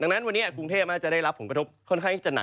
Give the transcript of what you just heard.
ดังนั้นวันนี้กรุงเทพอาจจะได้รับผลกระทบค่อนข้างที่จะหนัก